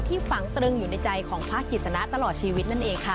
ฝังตรึงอยู่ในใจของพระกิจสนะตลอดชีวิตนั่นเองค่ะ